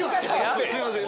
すいません。